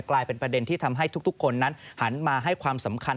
กลายเป็นประเด็นที่ทำให้ทุกคนนั้นหันมาให้ความสำคัญ